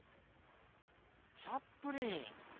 チャプリン！